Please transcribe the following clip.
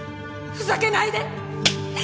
ふざけないで！